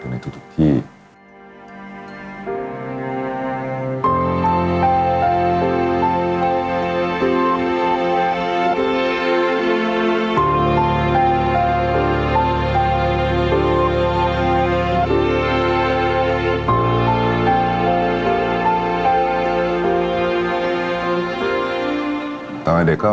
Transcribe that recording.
แต่ตอนเด็กก็รู้ว่าคนนี้คือพระเจ้าอยู่บัวของเรา